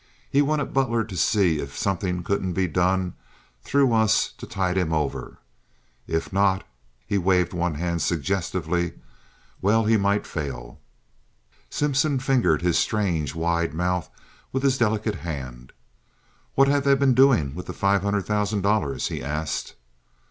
He wanted Butler to see if something couldn't be done through us to tide him over. If not"—he waved one hand suggestively—"well, he might fail." Simpson fingered his strange, wide mouth with his delicate hand. "What have they been doing with the five hundred thousand dollars?" he asked.